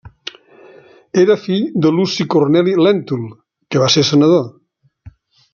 Era fill de Luci Corneli Lèntul, que va ser senador.